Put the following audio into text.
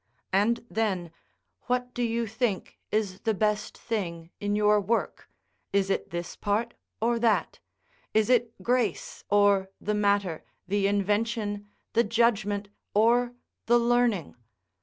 And then, what do you think is the best thing in your work? is it this part or that? is it grace or the matter, the invention, the judgment, or the learning?